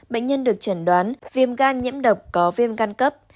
bệnh nhân được chẩn đoán viêm gan nhiễm độc có viêm gan cấp